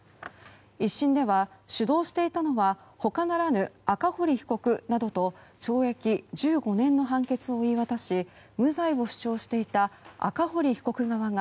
１審では、主導していたのは他ならぬ赤堀被告などと懲役１５年の判決を言い渡し無罪を主張していた赤堀被告側が